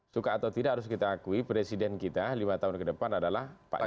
suka atau tidak harus kita akui presiden kita lima tahun ke depan adalah pak jokowi